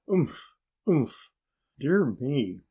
"Umph! Umph!" "Dear me!"